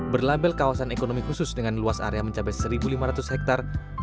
berlabel kawasan ekonomi khusus dengan luas area mencapai satu lima ratus hektare